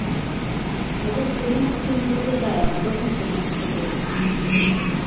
Але стадыён пакуль не выглядае гатовым прымаць спаборніцтвы.